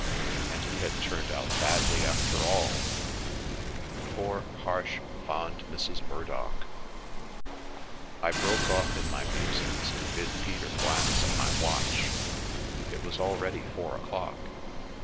And he had turned out badly after all! Poor, harsh, fond Mrs. Murdock! A Flutter in Fleet Street I broke off in my musings to bid Peter glance at my watch. It was already four o'clock.